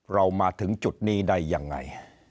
เรามาถึงจุดนี้ได้ยังไง